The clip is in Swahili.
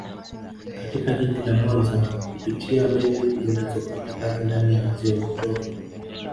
Katika jiji la Mwanza kupitia meli zinazofanya kazi ndani ya ziwa viktoria